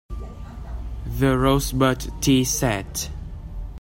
The rosebud tea set!